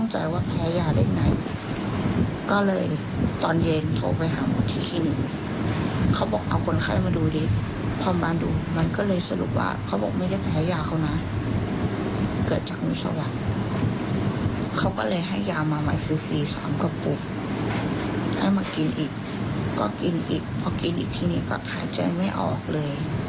ให้มากินอีกก็กินอีกพอกินอีกทีนี้ก็หายใจไม่ออกเลย